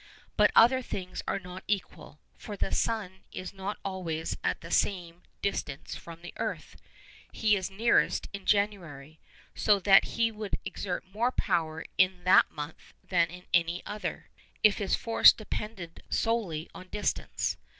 But other things are not equal; for the sun is not always at the same distance from the earth. He is nearest in January; so that he would exert more power in that month than in any other, if his force depended solely on distance.